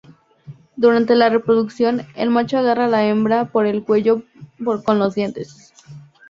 Durante la reproducción, el macho agarra la hembra por el cuello con los dientes.